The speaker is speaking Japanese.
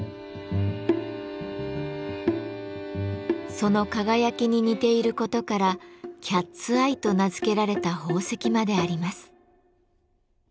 その輝きに似ていることから「キャッツアイ」と名付けられた宝石まであります。